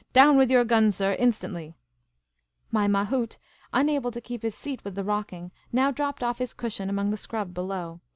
Down with your gun, sir, instantly !" My mahout, unable to keep his seat with the rocking, now dropped off his cushion among the scrub below.